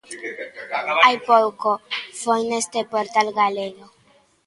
Hai pouco foi neste portal galego.